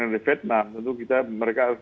dari vietnam tentu mereka harus